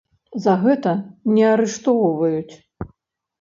За гэта не арыштоўваюць.